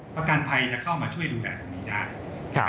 ประกันภัยจะเข้ามาช่วยดูแลธุมิญาณ